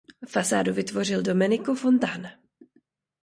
Fasádu vytvořil Domenico Fontana.